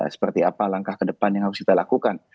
seperti apa langkah ke depan yang harus kita lakukan